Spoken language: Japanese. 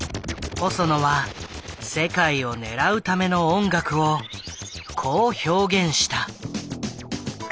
細野は世界を狙うための音楽をこう表現した。